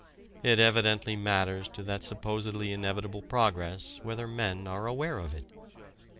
It evidently matters to that supposedly inevitable progress whether men are aware of it.